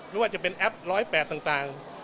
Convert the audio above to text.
ว่าจะเป็นแอป๑๐๘ต่าง